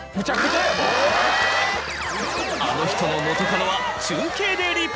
あの人の元カノは。